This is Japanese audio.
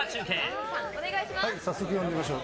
早速呼んでみましょう。